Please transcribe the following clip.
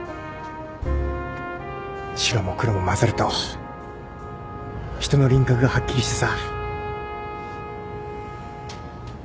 白も黒もまざると人の輪郭がはっきりしてさ。